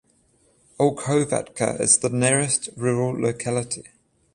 Olkhovatka is the nearest rural locality.